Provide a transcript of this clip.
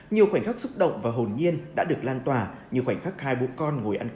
nhiều khoảnh khắc xúc động và hồn nhiên đã được lan tỏa như khoảnh khắc hai bố con ngồi ăn